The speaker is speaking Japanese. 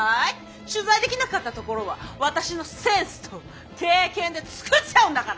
取材できなかったところは私のセンスと経験で作っちゃうんだから。